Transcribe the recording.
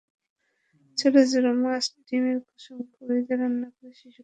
ছোট ছোট মাছ, ডিমের কুসুম, কলিজা রান্না করে শিশুকে খেতে দিতে হবে।